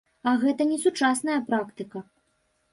А гэта несучасная практыка.